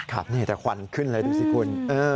ครับนี่แต่ควันขึ้นเลยดูสิคุณ